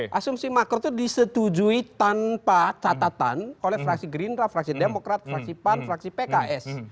yang disetujui tanpa catatan oleh fraksi gerindra fraksi demokrat fraksi pan fraksi pks